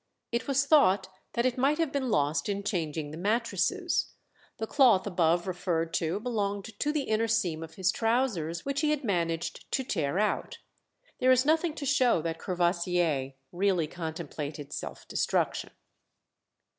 It was thought that it might have been lost in changing the mattresses. The cloth above referred to belonged to the inner seam of his trousers, which he had managed to tear out. There is nothing to show that Courvoisier really contemplated self destruction.